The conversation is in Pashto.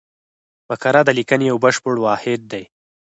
فقره د لیکني یو بشپړ واحد دئ.